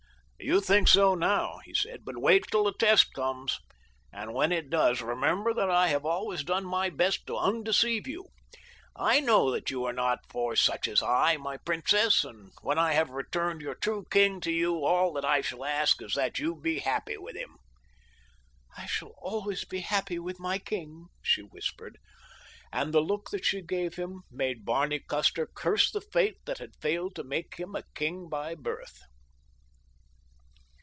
"You think so now," he said, "but wait until the test comes, and when it does, remember that I have always done my best to undeceive you. I know that you are not for such as I, my princess, and when I have returned your true king to you all that I shall ask is that you be happy with him." "I shall always be happy with my king," she whispered, and the look that she gave him made Barney Custer curse the fate that had failed to make him a king by birth.